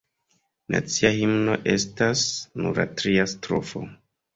Nacia himno estas nur la tria strofo.